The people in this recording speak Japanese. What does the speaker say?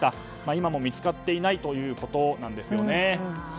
今も見つかっていないということなんです。